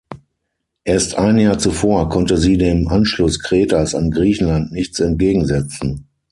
Erst ein Jahr zuvor konnte sie dem Anschluss Kretas an Griechenland nichts entgegensetzen.